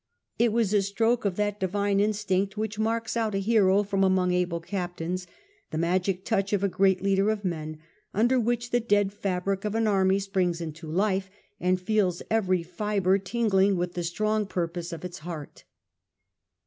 It was a stroke of that divine instinct which marks out a hero from among able captains ;— the magic touch of a great leader of men, under which the dead fabric of an army springs into life and feels every fibre tingling with the strong purpose of its heart.